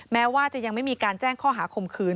แม้ว่าจะยังไม่มีการแจ้งข้อหาคมคืน